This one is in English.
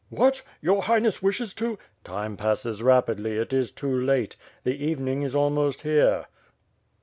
"What? Your Highness wishes to? —" "Time passes rapidly; it is too late. The evening is almost here."